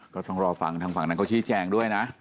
ก็ต้องรอฟังทางฝั่งนางโกชีแจงด้วยนะ